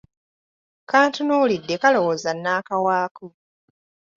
Kantunuulidde kalowooza nnaakawaako.